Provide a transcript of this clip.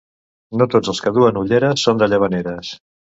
No tots els que duen ulleres són de Llavaneres.